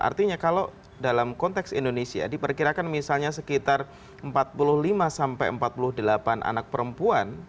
artinya kalau dalam konteks indonesia diperkirakan misalnya sekitar empat puluh lima sampai empat puluh delapan anak perempuan